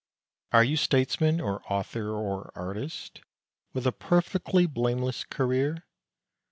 Are you statesman, or author, or artist, With a perfectly blameless career?